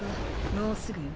もうすぐよ。